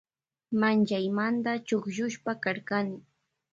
Manllaymanta chukchushpa karkani.